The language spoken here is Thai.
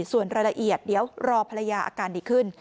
ส่วนรายละเอียดเดี๋ยวรอภรรยาอาการดีขึ้น